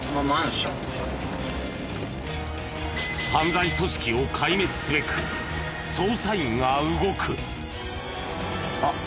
犯罪組織を壊滅すべく捜査員が動く。